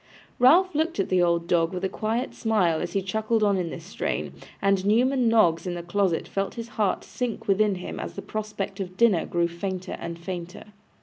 Ralph looked at the old dog with a quiet smile as he chuckled on in this strain, and Newman Noggs in the closet felt his heart sink within him as the prospect of dinner grew fainter and fainter.